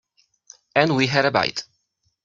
And we had a bite.